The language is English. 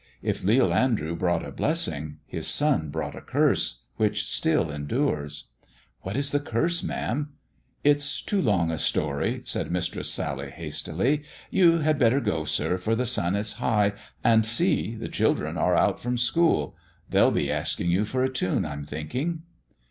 If Leal Andrew brought a blessing, his son brought a curse, which still endures." •* What is the curse, ma'am ?" It's too long a story," said Mistress Sally hastily; you had better go, sir, for the sun is high, and see, the children are out from school. They'll be asking you for a tune, I'm thinking."